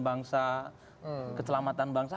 bangsa kecelamatan bangsa